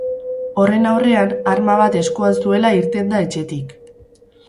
Horren aurrean, arma bat eskuan zuela irten da etxetik.